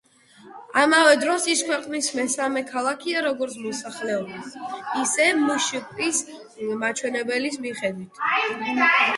ამავე დროს, ის ქვეყნის მესამე ქალაქია როგორც მოსახლეობის, ისე მშპ-ის მაჩვენებლის მიხედვით.